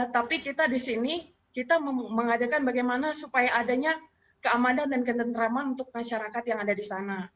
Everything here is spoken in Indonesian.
tapi kita di sini kita mengajarkan bagaimana supaya adanya keamanan dan ketentraman untuk masyarakat yang ada di sana